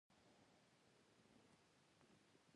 د انګلیسي ژبې زده کړه مهمه ده ځکه چې نړیوالې همکاري زیاتوي.